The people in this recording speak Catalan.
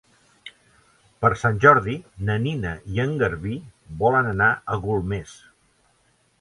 Per Sant Jordi na Nina i en Garbí volen anar a Golmés.